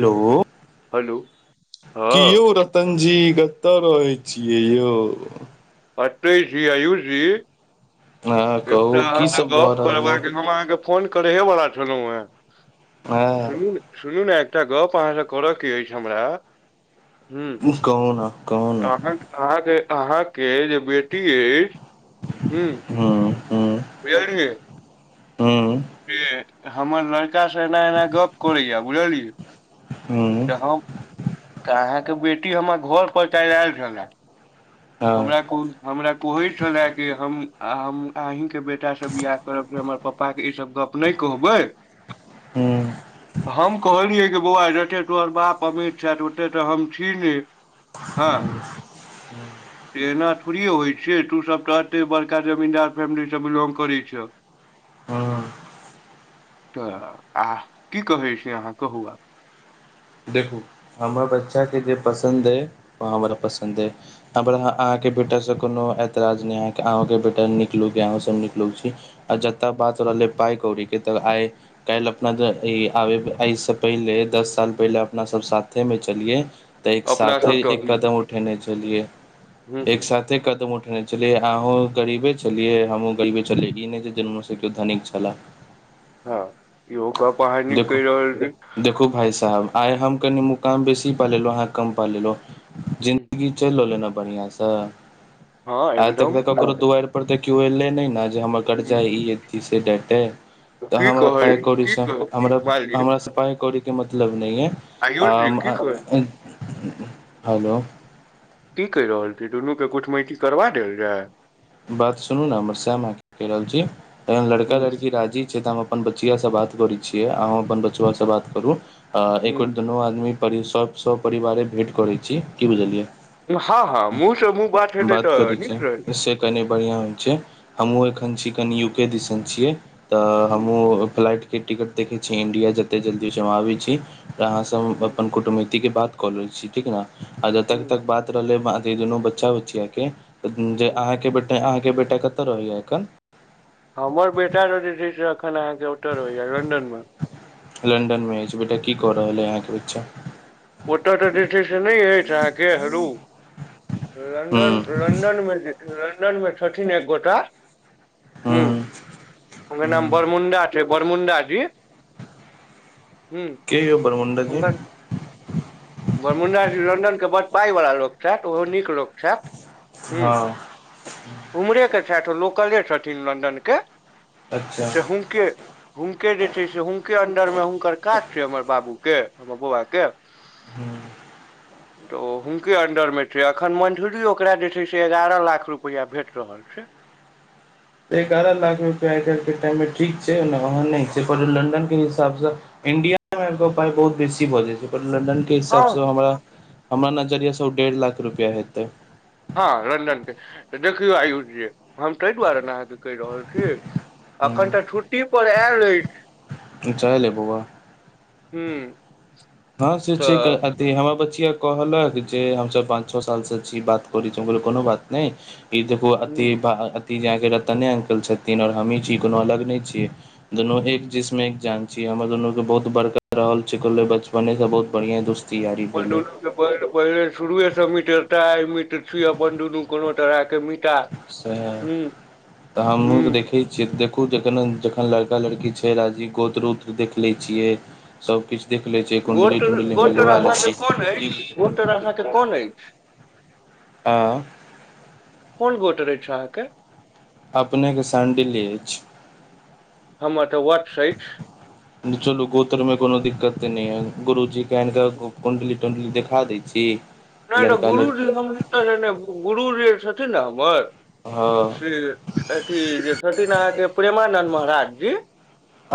Hello hello कि यौ हँ रतनजी कतऽ, रहै छियै यौ। अतै छी, आयुष जी हँ एकटा कहू की अहाँसँ सब भऽ गप रहलै करबाके हम अहाँके फोन करहे बला छलहु हेँ हँ सुनू ने सुनू ने एकटा गप अहाँसँ करऽके ऐछ हमरा हम् कहू ने कहू ने अहांक अहाँक - अहाँके जे बेटी ऐछ हम् हं- हं बुझलियै। हं से हमर लड़का स एना - एना गप करैया बुझलियै। हं तऽ हम तऽ, अहाँके बेटी हमर घर पर कैल्ह ऐल छलैए। हँ हमरा कुन हमरा कोहैं छलए की हम हम अहीं के बेटा से बियाह करब त हमर पप्प पपा के ई सब गप नहि कहबै हूं हम कहलियै गै बौआ जतेक तोहर बाप अमीर छैथ, ओतेक तऽ हम छी ने। हँ। से एना थोड़िये होइ छै, तूसब तऽ एतेक बड़का जमीन्दार फैमिलीसँ बिलोंग करै छ। हंअ। तऽ आह की कहै छी अहाँ कहू आब। देखू हमरा बच्चाके जे पसन्द अइ ओ हमरा पसन्द अइ। हमरा अहाँके बेटासँ कोनो एतराज नै, अहूंके बेटा निक लोक यऽ अहूँ सभ निक लोक छी। अच्छा तब बात रहलै पाइ- कोड़ी के। एक त आय काल्हि अपना आब एहिसँ पहिले दस साल पहिले। पहिले अपना सब साथे में चलिये तऽ एक अपना साथे सब एक तऽ कदम उठेने छलिए हूँ एक हूँ साथ। एते कदम उठने छलियै अहूँ गरीबे छलियै, हमहुं गरीबे छलियै, ई नहि जे केओ जन्मे स धनिके छलैह। हँ इहो गप्प अहां निक देखू कैह रहल छी। देखू भााय साहेब आइ हम कनि मुकाम बेसी पा लेलौंह अहाँ कम पा लेलौंह छी जिंन्दगी चैलि रहल अइ ने बढ़ियां स। हँ आ तक त एकदम ककरो दुआरि पर तऽ केओ एले नहि न जे हमर करजा ई से डेटे, ताँ की हमरा कहल पाइ-कोड़ी की से कह मालिक हमरा-हमरा से पाइ-कोड़ी नै अय आयुष जी की आ कह हेलो। की कहि रहल छी, दुनूके कुटमैती करबा देल जाय। बात सुनू ने हमर सैह बात कैह रहल छी, एन लड़का हूँ लड़की राजी छै तऽ हम अपन बचिआासँ बात करै छियै, आहां अपन बचबा से बात करु एक हूँ बेर दुनू आदमी पर सपरिवारे भेँट करैत छी, की बुझलियै? हँ - हँ मुँहसँ -मुँह बात हेतै तऽ करै नीक रहै। छै से कनि बढ़िआँ होइ छै, हमहूँ एखन छी कनि यूके दिसन छियै। तऽ हूँ हमहुँ फ्लाइट के टिकट देखै छियै, इंडिया जते जल्दी होइ छै हम आबै छी, तऽ आहां हूँ अपन कुटुमैतिक के बात कऽ लै छी ठीक ने, आ जतक तक हूँ बात रहले दुनू बच्चा- बच्चिया के, जे हूँ। अहाँके बेट अहाँके बेटा कतऽ रहैया एखन? हमर बेटा जे छै से अखन अहाँके उतऽ रहैया, लंन्दन में। लंडन मे अइछ बेटा, की कऽ रहल अइछ अहाँके बच्चा? ओतय तऽ जे छै से नहि अछि अहाँके हेलू। हूँ लन्दन- लन्दनमें- लन्दनमे छथिन एक गोटा। हूं हूँ ओकर हूँ नाम बरमुंडा छै बरमुंडा जी। हूँ केयो बरमुंडा जी। बरमुण्डा जी लंडनके बड़ पाइवला लोक छैथ, ओहो नीक लोक छैथ हूं। हँ उम्हरे के छैथ, ओ लोकले छथिन लन्दन के, अच्छा से हुनके हुनके जे छै, से हुनके अन्दर में हुनकर काज छै, हमर बाबू के हमर बौआ के। हूं। तऽ ओ हुनके अंडर में छै, अखन मंथली ओकरा जे छै, से एगारह लाख रुपआ भेट रहल छै। एगारह लाख रुपआ आइ काल्हि के टाइम मे ठीक छै, ओना लंडन के हिसाबसँ इंडिया मे आयब के ओ पाइ बहुत बेसी भऽ जाइ छै, लेकिन लंडन के हँ हिसाबसँ हमरा- हमरा नजरिया से ओ डेढ़ लाख रुपैआ हेतै। हँ लंडन के, देखियौ आयुष जी हम तै दुआरे ने आहांके कहि रहल छी, आखन तऽ छुट्टी पर आयल अछि। चाय लेब बौआ। हू। हां से छैके आ तै हमर बचिया कहलक जे हमसब पाँच छ साल से छीयै, बात करै छीयै, हम कहलिए कोनो बात नै ईद ओ अथी हुँ बा अथी जाक रतने अंकल छथिन और हम्ही छी कोनो अलग नै छियै। दुनू एक हुँ जिस्म एक जान छी, हमर दुनू के बहुत बड़का रहल छैले बचपने से बहुत बढ़िया दोस्ती यारी भेलै। अ पहिले पहिले शुरुवे से मित्रता अ मित्र छी अपन दुनू कोनो तरह के मी सैह तऽ हम्हु के हुँ देखि से देखू जखन-जखन लड़का-लड़की छै राजी, गोत्र-उत्र देख ले छियै, सब किछ देख ले छीयै, गोट कुंडली-तुण्डली मिलबा लै छी की तोरा साथे कोन ऐछ? आ कोन गोत्र ऐछ अहाँके? अपने के शांडिल्य ऐछ। हमर तऽ वत्स ऐछ। चलू गोत्रमे कोनो दिक्कत तै नै यै गुरुजी के ऐन के कुण्डली-तुण्डली देखा दै छी। नै तऽ लड़का गुरूजी लड़की हमर [unintelligible] गुरुजी छथिन नै हमर। हां। अथी-अथी जे छथिन अहाँके प्रेमानन्द महाराज जी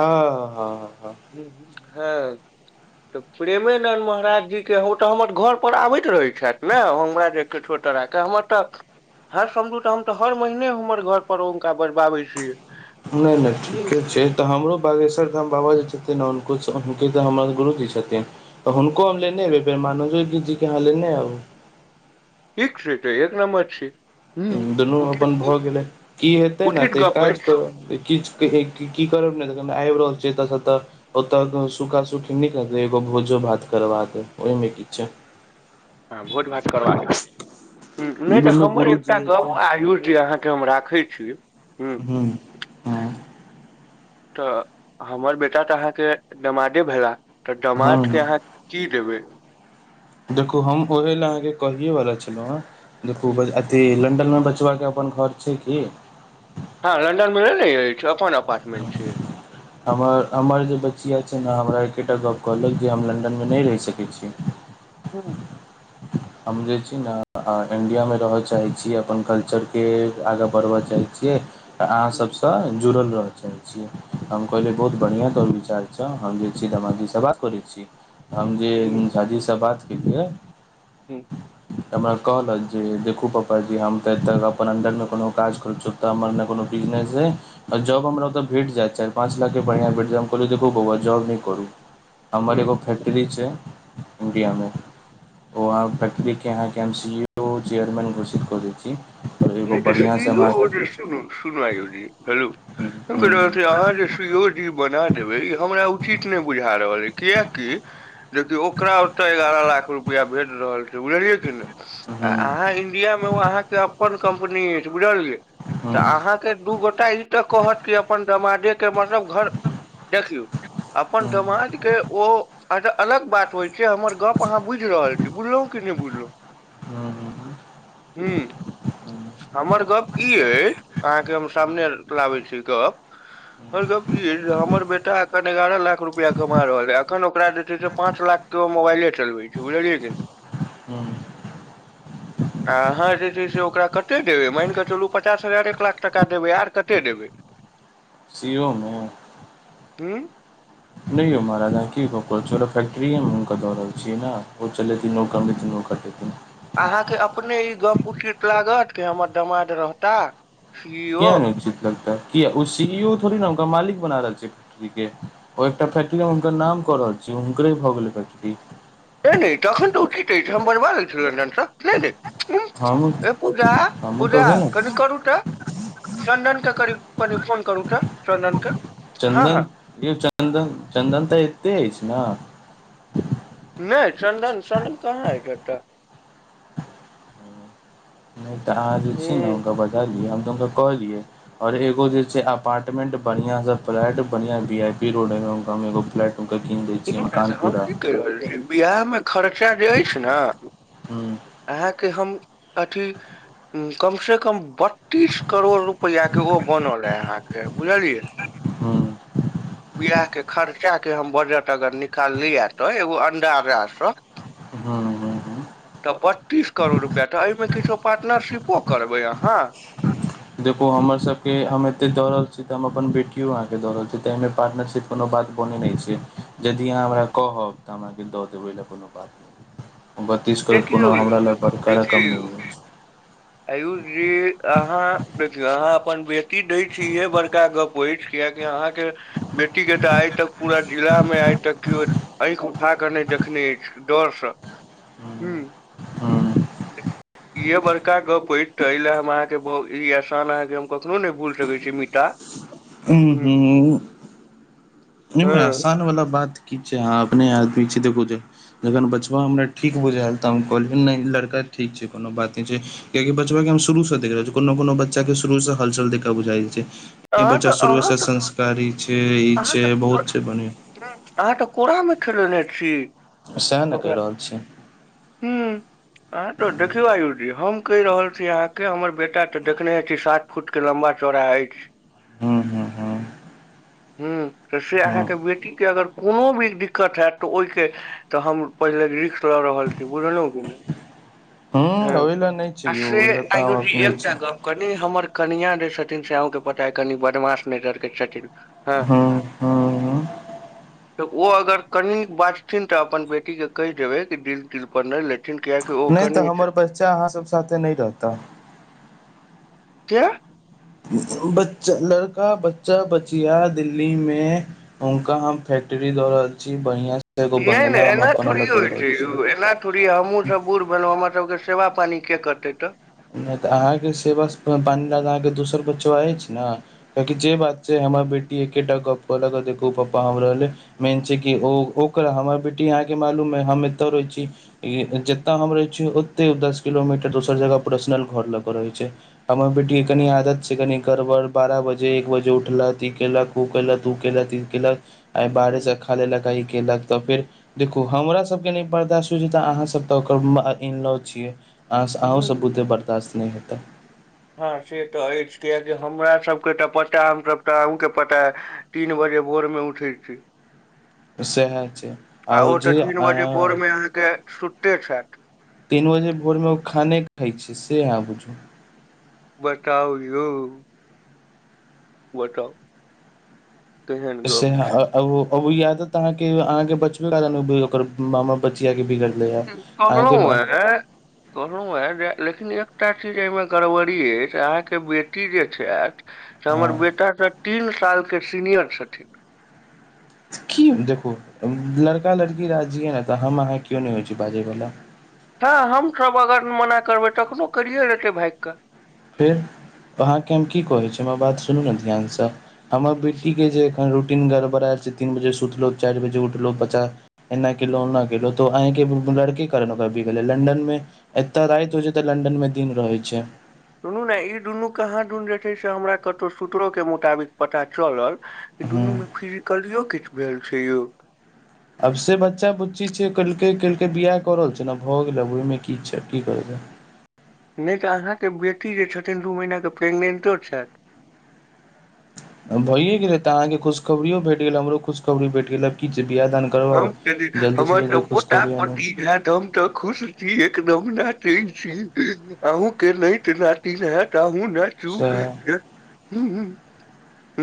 अ हां-हां। उम्म हां। तऽ प्रेमेनन्द महाराज जी के ओ तऽ हमर घर पर आबैत रहै छैथ नै ओ हमरा जे कीछो तरह के हमर तै हर समझू तऽ हम हर महने हमर घर पर हुनका बजबाबे छै। नै-नै ठीके छै। तऽ हमरो बागेश्वर धाम बाबा जे छथिन हुनको से हुनके तऽ हमर गुरुजी छथिन। तऽ हुनको हम लेने एबै प्रेमानंद जी के अहाँ लेनै आबु। ठीक छै तै एक नम्बर छै। ह दुनू अपन भऽ उचित गेलै की हेतै ने उचित तऽ एक गप अछि काज करा किछ के ए की की करब नै तखन त आब रहल छै एतऽ से तऽ ओतऽ क सूखा-सुखी नै करबै एगो भोजो-भात करवा के ओयमे की छै? अ भोज-भात करबा देबै, हूं नै तऽ दुनू हमर एकटा गुरुजी गप एथिन आरो जे अहां जे हम राखै छी, हूं हूँ हँ तऽ हमर बेटा तऽ अहाँके नमादे भेला? तऽ हँ दमादके हँ अहाँ की देबै? देखू हम ओहे ले अहांके कहियै वला छलौ हें, देखू बन अथी लंडन में बचवा के अपन घर छै कि? हां लंन्दनमे नै रहे जाए छै अपन अपार्टमेन्ट छै। हमर हमर जे बच्चिया छै नै हमरा एकेटा गप कहलक जे हम लन्दनमे नै रह सकै छीयै। हुं। हम जे छी नै इंडिया मे रहय चाहे छीयै अपन कल्चर के आगा बढ़बय चाहे छीयै अहाँ ह सबसे जुड़ल रहा छीयै, हम कहलियै बहुत बढ़िया तौहर विचार अच्छा हम जाए छीयै दमादजी से बात करै छीयै, हम जे झाजी से बात केलियै हूँ। हमरा कहलक जे देखू पापाजी हम तऽ एतऽ अपन अन्दरमे कोनो काज करू चु तऽ हमर नै कोनो बिजनेस है। आ जॉब हमरा ओतऽ भेट जेएत चैर पाँचटा के बढ़िआँ भेट जाय हम कहलियै देखू बौआ जॉब नै करू। हमर एगो फैक्ट्री छै ह इण्डिया मे। ओ आब फैक्ट्री के आहाँके M C E O chairman घोषित कऽ दैत छी। कहलियै एगो नहि तऽ बढ़िआं सँ हमरा। [unintelligible] [unintelligible] हुं हुं बना देबै ई हमरा उचित नै बुझा रहल है कियकि। देखियौ ओकरा ओतऽ एगारह लाख रुपाया भेट रहल छै। बुझलियै की ने आ अहाँ इंडिया मे ओ अहाँके अपन कम्पनी अइछ बुझलियै। तऽ हुं अहाँके दू गोटा ई तऽ कहत कि अपन दमादे के मतलब घर। देखियौ हुं अपन हुं दमाद के ओ। अच्छा अलग बात होय छै हमर गप आहाँ बुइझ रहल छी बुझलौ की नै बुझलौ। हँ। हूँ। हमर गप की अइ आहाँके हम सामने लाबै छी गप। हमर गप ई जे हमर बेटा एखन एगारह लाख रुपआ कमा रहल है अखन ओकरा जे छै से पाँच लाख। केओ मोबाइले चलबै छै बुझलियै जे। हूँ। आहाँ जे छै से ओ- ओकरा कते देबै मैन कऽ चलू पचास हजार एक लाख टका देबै आर कते देबै। सीओमे। हूँ। नै यौ महाराज की गप कऽ रहल छी पूरा फैक्ट्री हम हुनका दऽ रहल छी न ओ चलेथिन [unintelligible] पठथिन आहाँके अपने ई गप उचित लागत कि हमर दमाद रहता। सी ई किया ओ नै उचित लगतै किया ओ सी ई ओ थोड़े ने हुनका मालिक बना रहल छियै फैक्ट्री के। ओय एकटा फैक्ट्रीये हुनकर नै नाम कऽ रहल छी हुनकरे भऽ गेलै फैक्ट्री। नैय- नैय तखन तऽ उचित अइछ हम बजबा लै [unintelligible] नैय- नैय। हूँ हम ए पूजा हमहूँ तऽ पूजा ओहे ने कनि करू तऽ। चन्दन के करीब कनि फोन करू तऽ चन्दन के। हँ हँ चन्दन यौ चन्दन चन्दन तऽ एतेै अइछ न। नै चन्दन चन्दन कहाँ अइछ अतऽ। नै तऽ आहाँ जे छै ने ह हुनका बजा लिअ हम तऽ हुनका कहलियै। और एगो जे छै अपारटमेंट बढ़िया से फ्लैट बढ़िया वी आई पी रोड है में उनकां एगो फ्लैट। हुनका किन दै छियै मकान पूरा। [unintelligible] बियाह मे खर्चा जे अइछ न हूँ अहाँके हम अथी। हूँ कम से कम बत्तीस करोड़ रुपआ के ओ बनल हेँ आहाँ के बुझलियै। हँ। बियाह के खर्चाके हम बजट अगर निकाल लियै तऽ एगो अंदाजा सँ। हूँ, हूँ, हूँ। तऽ बत्तीस करोड़ रुपआ तऽ एहिमे किछो पार्टनरशिपो करबै आहाँ? देखु हमर सबके के हम एते दौड़ रहल छी तऽ हम अपन बेटियो आहाँ के दऽ रहल छी तऽ एहिमे पार्टनरशिप। कोनो बात बनेै नहि छै यदि अहाँ हमरा कहब तऽ अहाँके दऽ देबै ओइला कोनो बात नहि बत्तीस करोड़ देखियौ कोनो हमरा लऽ बड़का रकम नऽ देखियौ यऽ। आयुष जी अहाँ देखियौ अहाँ अपन बेटी दय छी इहे बड़का गप अछि कियकि अहाँके बेटी जेका आइ तक पूरा जिला मे आइ तक केओ आएँख उठा कऽ नहि देखने अछि डरसँ हू हूँ [unintelligible] इहे बड़का गप्प अछि तऽ एहि लेल हम अहाँके बहुत ई आहसान अहाँके हम कखनो नहि भूल सकैत छी मिटा हँ हूँ याईमे हँ एहसान वाला बात की छै आहा अपने आदमी छै देखो जे जखन बचबा हमरा ठीक बुझाायल तऽ हम कहलियै नहि लड़का ठीक छै कोनो बात नहि छै किया कि बचबा के हम शुरूसँ देख रहल छी कोनो कोनो बच्चा के शुरूसँ हलचल देख कऽ बुझाइत छै इ अहाँ बच्चा तऽ शुरुए अहाँ सॉ तऽ संस्कारी छै ई अहाँ छै तऽ बहुत छै बढ़िया अहाँ के कोरामें खेलेने छी सेहै न कहि रहल छी हू आहाँ तो देखियौ आयूष जी हम कहि रहल छी अहाँके हमर बेटा तऽ देखने छी सात फूट के लम्बा चौड़ा अछि हँ हँ हँ ह्म तऽ से अहाँके बेटीके अगर कोनो भी दिक्कत हत तऽ ओहिके तऽ हम पहिले लिख लऽ रहल छी बुझलहु की नहि हूँ ओहि लए नहि छै हँ यौ से ओहि लए तऽ आयुष हम जी अपने छी एकटा गप कनि हमर कनिया जे छथिन से आहूँ के पता या कनि बदमाश नजर के छथिन ह हूँ हूँ हूँ त ओ अगर कनि बाजथिन ता अपन बेटी के कहि देबै बिल तिल औ नाइ लेथिन कियाकि ओ नहि कनी तऽ छै हमर बच्चा अहाँ सब साथे नहि रहता के बच्चा लड़का बच्चा बचिया दिल्ली मे हुनका हम फैक्ट्ररी दऽ रहल छी बढ़ियां से एगो नाय नाय ने बंगला हम अपन एनाथोड़ी अलग हो दऽ रहल छै छी यऊ थोरी हमहुँ सब बूढ़ भेलहुँ हमर सबके सेवा पानी के करतै तऽ नहि तऽ अहाँके सेवा पानि ल तऽ अहाँके दोसर बच्चा अछि ने कियाकि जे बात छै हमर बेटी एकेटा गप कहलक देखू पापा हम रहले मेन छै कि ओ ओकर हमर बेटी अहाँके मालूम ह हम एतय रहै छी इ जतय हम रहै छियै ओते दस किलोमीटर दोसर जगह पर्सनल घर लऽ कऽ रहैत छै हमर बेटीके कनि आदत छै कनि गड़बड़ बारह बजे एक बजे उठलक ई केलक ओ केलक, ओ केलक, ई केलक, आए बाहरेसँ खा लेलक, ई केलक तऽ फेर। देखू हमरा सभके नहि बर्दाश्त हो जे तऽ अहाँसभ ओकर इनलॉ छियै। अहाँसँ अहूँ सब हूँ बुते बर्दाश्त नहि हेतै हँ से तऽ अछि कियाकी जे हमरा सबके तऽ पता हमसभ तऽ अहूँके पता तीन बजे भोरमे उठैत छी सएह छै आ आओर ओ तऽ जे तीन बजे अहाँ भोरमे अहाँके सुतते छथि तीन बजे भोरमे ओ खाने खाइ छै से आहाँ बुझू बताऊ यौ बताऊ सेहा अ ओयादतहाँके अहाँके बचबे ओकर मामा बचियाके बिगड़लै ह अहाँके ब कहलहुं हें जे लेकिन एकटा चीज एहिमे गड़बड़ी अछि अहाँके बेटी जे छथि तऽ हमर हँ बेटा त तीन साल के सीनियर छथिन। की देखू लड़का लड़की राजिहे तऽ हम अहाँ कियो नै होइ छि बाजयवला। ह हमसभ अगर मना करबै तखनो करियए लेतै भाईग कऽ। फेर अहाँके हम की कहै छैलो हमर बात सुनू ने ध्यानसँ हमर कऽ बेटीके जे ए रूटीन गड़बड़ेल छै तीन बजे सुतलहुँ, चैर बजे उठलहुँ, बच्चा एना केलो, ओना केलो, तो अहे के लड़की करल कभी कहे लंडनमे एतअ रैत होइ छै, तऽ लंडन मे दिन रहै छै। सुनू ने ई दुनू कहाँ दुन जे छै, से हमरा कतो सूत्रोे के मुताबिक पता चलल इ हूँ दुनू मे फिजिकलियो किछ भेल छै यो। आब से बच्चा बुच्ची छै, कहलकै - केलकै बियाह क रहल छै न। भऽ गेलै आब ओहिमे कि छै, की कर नै तऽ अहाँके बेटी जे छथिन दू महिनाके प्रेगनेन्टो छैथ। भइए गेलै तऽ अहाँके खुशखबरियो भेट गेल, हमरो खुशखबरी भेट गेल। आब कि छै बियाह दान हम करबाउ जल्दीसँ हमर तऽ जल्दी पोटा खुशखबरी आनू पोति हेत, हम तऽ खुश इ एकदम नटे छी, आहू के नैत नातिन हैत आहू न सएह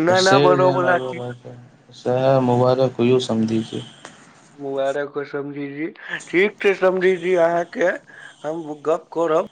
नाना बनबला छि। [unintelligible] सेहे मुबारक होईयो समधीजी। मुबारक होय समधी जी, ठीक छै समधी जी। अहाँके हमहु गप करब।